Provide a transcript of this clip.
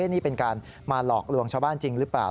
นี่เป็นการมาหลอกลวงชาวบ้านจริงหรือเปล่า